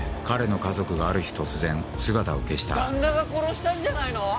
彼の家族がある日突然姿を消した旦那が殺したんじゃないの？